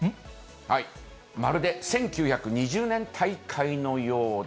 まるで１９２０年大会のようだ。